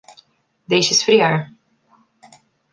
Deixe esfriar.